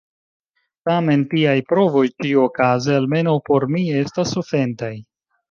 Tamen tiaj provoj ĉi-okaze, almenaŭ por mi, estas ofendaj.